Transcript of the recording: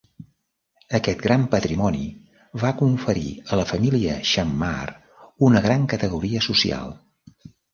Aquest gran patrimoni va conferir a la família Xammar una gran categoria social.